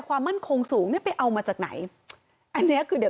ความมั่นคงสูงเนี่ยไปเอามาจากไหนอันเนี้ยคือเดี๋ยว